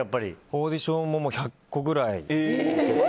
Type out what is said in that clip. オーディションも１００個くらい。